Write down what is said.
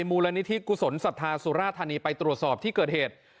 มูลนิธิกุศลศรัทธาสุราธานีไปตรวจสอบที่เกิดเหตุ